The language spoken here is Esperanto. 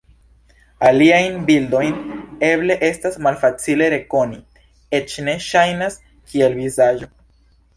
Aliajn bildojn eble estas malfacile rekoni, eĉ ne ŝajnas kiel vizaĝo.